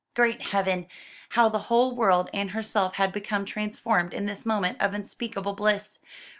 Great Heaven! how the whole world and herself had become transformed in this moment of unspeakable bliss!